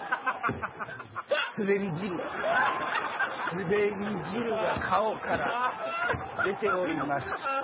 スベり汁が顔から出ております。